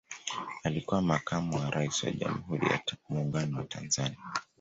alikuwa makamu wa raisi wa jamhuri ya muungano wa tanzania